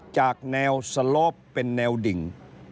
จากแนวสลอปเป็นแนวดิ่ง